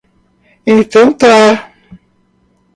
Então tá.